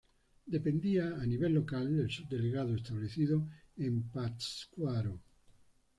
Dependía a nivel local del subdelegado establecido en Pátzcuaro.